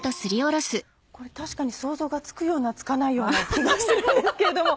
これ確かに想像がつくようなつかないような気がするんですけれども。